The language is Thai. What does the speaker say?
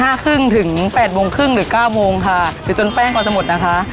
ห้าครึ่งถึงแปดโมงครึ่งหรือเก้าโมงค่ะหรือจนแป้งเราจะหมดนะคะ